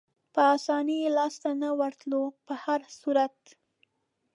په اسانۍ یې لاسته نه ورتلو، په هر صورت.